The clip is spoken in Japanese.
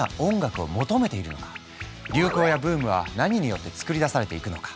流行やブームは何によって作り出されていくのか？